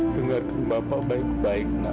dengarkan bapak baik baik